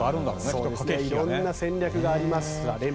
いろんな戦略があります。